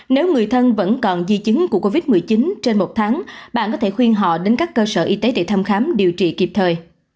nếu người thân vẫn còn di chứng của covid một mươi chín trên một tháng bạn có thể khuyên họ đến các cơ sở y tế để thăm khám điều trị kịp thời